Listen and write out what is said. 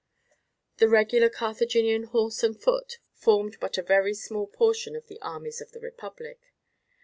The regular Carthaginian horse and foot formed but a very small portion of the armies of the republic.